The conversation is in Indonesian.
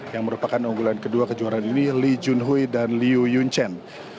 yang merupakan unggulan kedua kejuaraan ini li junhui dan liu yunchen